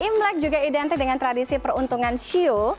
imlek juga identik dengan tradisi peruntungan shio